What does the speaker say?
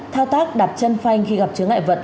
thao tác đạp chân phanh khi gặp chứa ngại vận